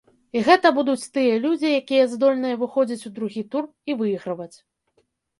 І гэта будуць тыя людзі, якія здольныя выходзіць у другі тур і выйграваць.